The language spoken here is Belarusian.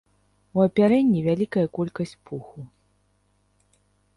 У апярэнні вялікая колькасць пуху.